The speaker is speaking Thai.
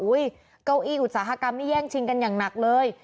เก้าอี้อุตสาหกรรมนี่แย่งชิงกันอย่างหนักเลย